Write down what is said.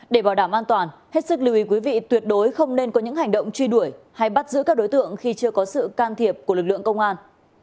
để bảo đảm an toàn hết sức lưu ý quý vị tuyệt đối không nên có những hành động truy đuổi hay bắt giữ các đối tượng khi chưa có sự can thiệp của lực lượng công an